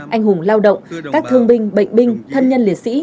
anh hùng lao động các thương binh bệnh binh thân nhân liệt sĩ